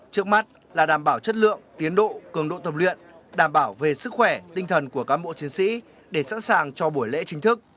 trước mắt là đảm bảo chất lượng tiến độ cường độ tập luyện đảm bảo về sức khỏe tinh thần của cán bộ chiến sĩ để sẵn sàng cho buổi lễ chính thức